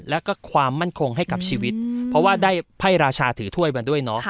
แล้วก็ความมั่นคงให้กับชีวิตเพราะว่าได้ไพ่ราชาถือถ้วยมาด้วยเนาะ